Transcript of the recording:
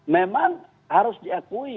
memang harus diakui